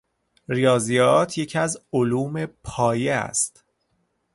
ریاضیات یکی از علوم پایه است.